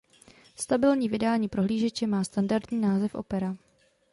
Stabilní vydání prohlížeče má standardní název Opera.